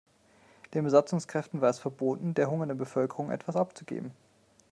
Den Besatzungskräften war es verboten, der hungernden Bevölkerung etwas abzugeben.